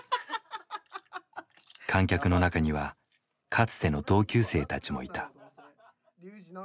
観客の中にはかつての同級生たちもいた。